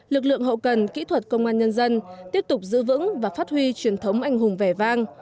lực lượng hậu cần kỹ thuật công an nhân dân tiếp tục giữ vững và phát huy truyền thống anh hùng vẻ vang